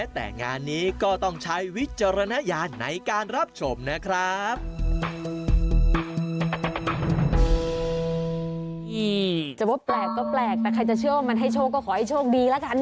แต่งานนี้ก็ต้องใช้วิจารณญาณในการรับชมนะครับ